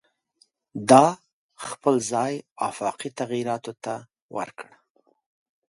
دا خپل ځای آفاقي تغییراتو ته ورکړ.